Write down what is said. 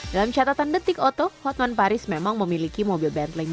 dalam catatan detik oto hotman paris memang memiliki mobil bentling